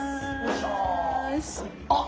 あっ！